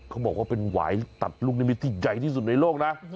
เขาบอกว่าเป็นหวายตัดลูกนิมิตที่ใหญ่ที่สุดในโลกนะ